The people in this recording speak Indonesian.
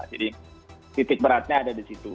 jadi titik beratnya ada di situ